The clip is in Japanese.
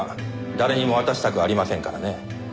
誰にも渡したくありませんからね。